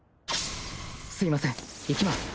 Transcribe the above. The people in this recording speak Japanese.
すいません行きます。